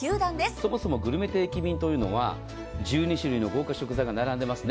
そもそもグルメ定期便というのは１２種類の豪華食材が並んでいますね。